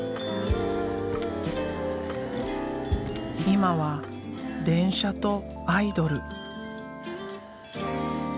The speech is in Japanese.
今は電車とアイドル。